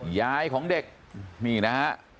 ยายของเด็กนี่นะฮะ